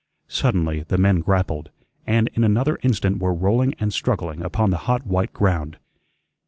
Suddenly the men grappled, and in another instant were rolling and struggling upon the hot white ground.